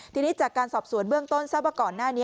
ทีนี้จากการสอบสวนเบื้องต้นทราบว่าก่อนหน้านี้